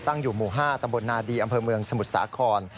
อยู่หมู่๕ตำบลนาดีอำเภอเมืองสมุทรสาคร